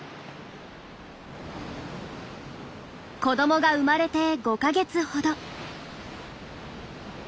子どもが生まれて５か月ほど。